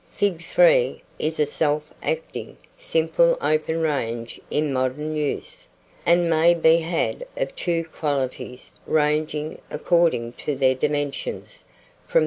Fig. 3 is a self acting, simple open range in modern use, and may be had of two qualities, ranging, according to their dimensions, from £3.